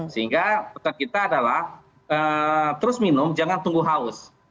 sehingga kita adalah terus minum jangan tunggu haus